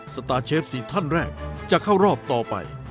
สตาร์เชฟ๔ท่านแรกจะเข้ารอบต่อไป